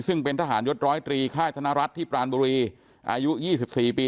ซึ่งเป็นทหารยศร้อยตรีค่ายธนรัฐที่ปรานบุรีอายุ๒๔ปี